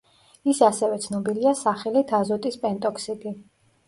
ის ასევე ცნობილია სახელით აზოტის პენტოქსიდი.